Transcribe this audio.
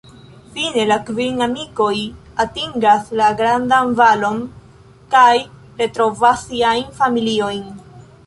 Fine la kvin amikoj atingas la "Grandan Valon" kaj retrovas siajn familiojn.